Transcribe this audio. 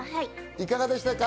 いかがでしたか？